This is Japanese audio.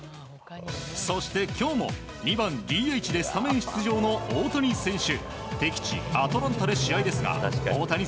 そして、今日も２番ＤＨでスタメン出場の大谷選手。